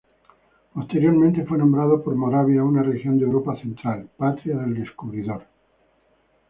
Posteriormente fue nombrado por Moravia, una región de Europa central, patria del descubridor.